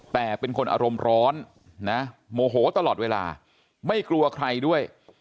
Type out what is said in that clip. แต่เป็นคนอารมณ์ร้อนนะโมโหตลอดเวลาไม่กลัวใครด้วย